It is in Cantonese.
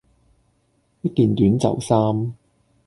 一件短袖衫